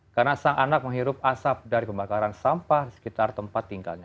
karena sang anak menghirup asap dari pembakaran sampah di sekitar tempat tinggalnya